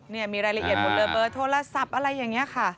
นี่มีรายละเอียดหมดเลยเบอร์โทรศัพท์อะไรอย่างนี้ค่ะ